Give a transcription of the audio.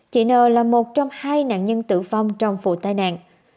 chị nờ là một trong hai nạn nhân tử phong trong vụ tai nạn